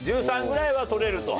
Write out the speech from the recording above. １３ぐらいは取れると。